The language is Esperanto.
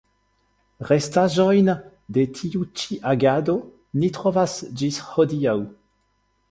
Restaĵojn de tiu ĉi agado ni trovas ĝis hodiaŭ.